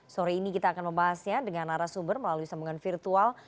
sore ini kita akan membahasnya dengan arah sumber melalui sambungan virtual